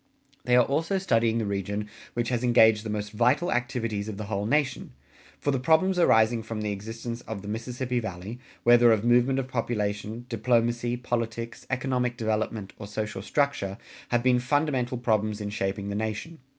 They are also studying the region which has engaged the most vital activities of the whole nation; for the problems arising from the existence of the Mississippi Valley, whether of movement of population, diplomacy, politics, economic development, or social structure, have been fundamental problems in shaping the nation.